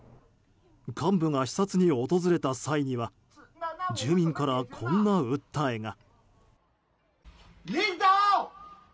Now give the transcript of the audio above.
幹部が視察に訪れた際には住民から、こんな訴えが。